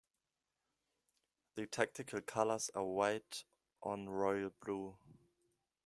The Tactical colours are White on Royal blue.